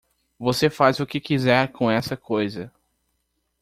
Você faz o que quiser com essa coisa.